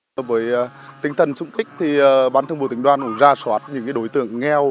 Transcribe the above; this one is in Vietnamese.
với tinh thần xung kích thì bán thương vụ tỉnh đoan cũng ra soát những đối tượng nghèo